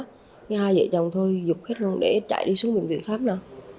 cái hai dạy chồng thôi dục hết luôn để chạy đi xuống bệnh viện khám nè